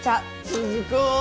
鈴子！